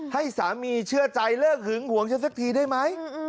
ให้สามีเชื่อใจเลิกหึงหวงฉันสักทีได้ไหม